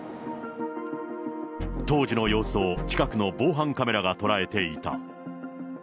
当時の様子を近くの防犯カメラが捉えていた。